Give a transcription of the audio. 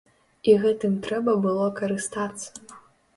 І гэтым трэба было карыстацца.